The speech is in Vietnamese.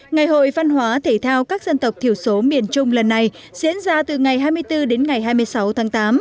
ngày hội văn hóa thể thao các dân tộc thiểu số miền trung lần này diễn ra từ ngày hai mươi bốn đến ngày hai mươi sáu tháng tám